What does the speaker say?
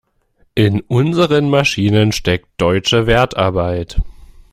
In unseren Maschinen steckt deutsche Wertarbeit.